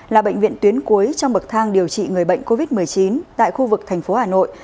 là bệnh viện tuyến cuối trong bậc thang điều trị người bệnh covid một mươi chín tại khu vực thành phố hà nội